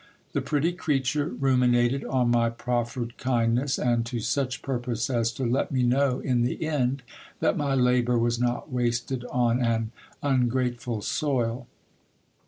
The pretty crea ture ruminated on my proffered kindness, and to such purpose as to let me know in the end that my labour was not wasted on an ungrateful soil.